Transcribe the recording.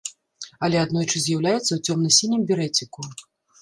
Але аднойчы з'яўляецца ў цёмна-сінім берэціку.